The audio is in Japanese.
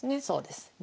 そうです。